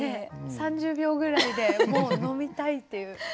３０秒ぐらいでもう「飲みたい」っていう。